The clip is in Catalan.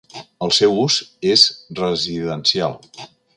El seu ús és residencial.